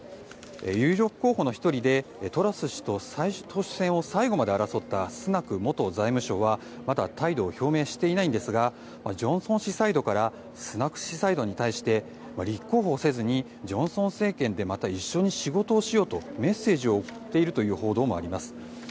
有力候補の１人でトラス氏と党首選を最後まで争ったスナク元財務相は、まだ態度を表明していないんですがジョンソン氏サイドからスナク氏サイドに対して立候補をせずにジョンソン政権でまた一緒に仕事をしようとメッセージを送っているという報道もあります。